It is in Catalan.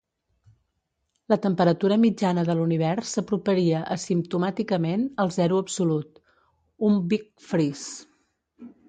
La temperatura mitjana de l'univers s'aproparia asimptomàticament al zero absolut, un Big Freeze.